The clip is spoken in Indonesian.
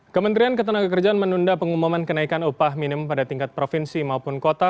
kementerian ketenagakerjaan menunda pengumuman kenaikan upah minimum pada tingkat provinsi maupun kota